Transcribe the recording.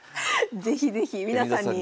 是非是非皆さんに。